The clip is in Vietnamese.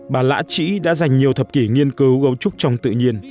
bà lã trĩ đã dành nhiều thập kỷ nghiên cứu gấu trúc trong tự nhiên